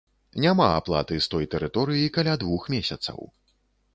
Няма аплаты з той тэрыторыі каля двух месяцаў.